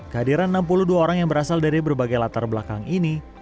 kehadiran enam puluh dua orang yang berasal dari berbagai latar belakang ini